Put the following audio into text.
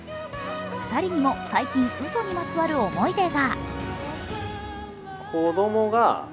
２人にも最近うそにまつわる思い出が。